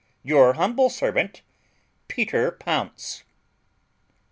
Your humble servant, PETER POUNCE.